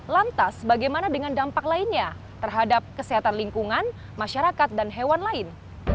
lantas bagaimana dengan dampak lainnya terhadap kesehatan lingkungan masyarakat dan hewan lain